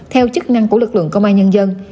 theo chức năng của lực lượng công an nhân dân